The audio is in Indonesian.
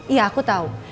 iya aku tau